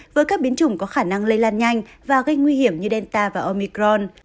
với các biến chủng có khả năng lây lan nhanh và gây nguy hiểm như delta và omicron